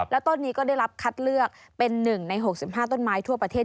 แล้วต้นนี้ก็ได้รับคัดเลือกเป็น๑ใน๖๕ต้นไม้ทั่วประเทศ